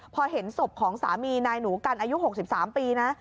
พอเห็นศพของสามีนายหนูกันอายุ๖๓ปีนะ